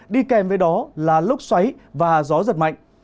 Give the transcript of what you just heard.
đi kèm với đó là lốc xoáy và gió giật mạnh